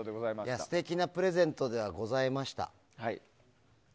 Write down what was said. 素敵なプレゼントではございました。